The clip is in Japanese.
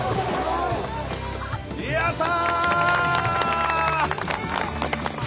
やった！